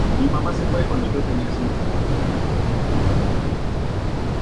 El robo produjo ocho dólares.